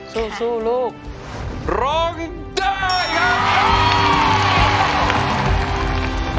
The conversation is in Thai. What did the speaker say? สู้สู้ลูกร้องเจ้าอย่างนั้น